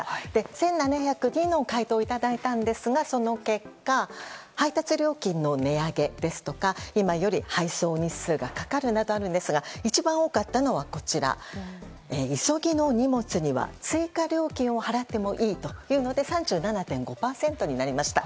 １７０２の回答をいただいたんですがその結果配達料金の値上げですとか今より配送日数がかかるなどあるんですが一番多かったのは急ぎの荷物には追加料金を払ってもいいというので３７．５％になりました。